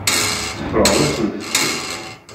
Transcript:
Teffreḍ-asent-ten.